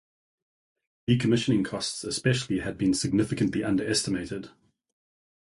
Decommissioning costs especially had been significantly underestimated.